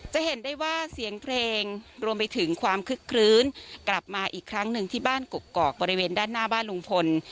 จะเห็นได้ว่าเสียงเพลงรวมไปถึงความคึกคลื้นกลับมาอีกครั้งหนึ่งที่บ้านกกอกบริเวณด้านหน้าบ้านลุงพล